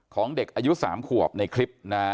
ของเด็กอายุ๓ขวบในคลิปนะฮะ